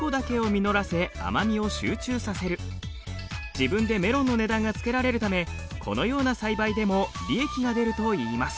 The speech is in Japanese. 自分でメロンの値段がつけられるためこのような栽培でも利益が出るといいます。